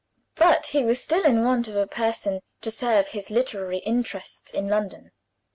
But he was still in want of a person to serve his literary interests in London.